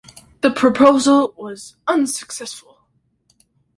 The proposal was unsuccessful.